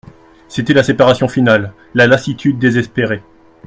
C'était la séparation finale, la lassitude désespérée.